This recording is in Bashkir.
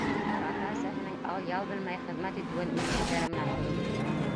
Улар ата-әсәһенең ал-ял белмәй хеҙмәт итеүен үҙ күҙҙәре менән күреп үҫте.